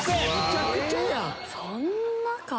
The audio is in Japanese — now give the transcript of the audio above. そんなか？